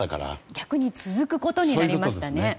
逆に続くことになりましたね。